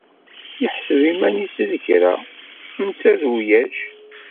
Yeḥseb iman-is d kra, netta d ulac.